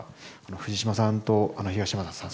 藤島さんと東山さん